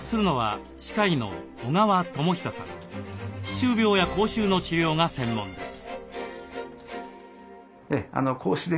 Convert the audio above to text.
歯周病や口臭の治療が専門です。